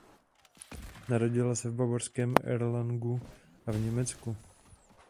Narodila se v bavorském Erlangenu v Německu.